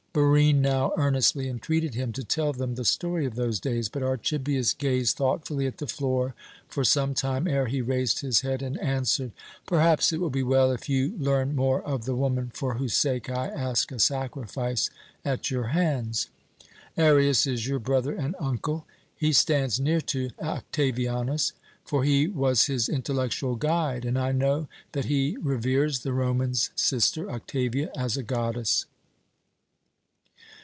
Barine now earnestly entreated him to tell them the story of those days, but Archibius gazed thoughtfully at the floor for some time ere he raised his head and answered: "Perhaps it will be well if you learn more of the woman for whose sake I ask a sacrifice at your hands. Arius is your brother and uncle. He stands near to Octavianus, for he was his intellectual guide, and I know that he reveres the Roman's sister, Octavia, as a goddess.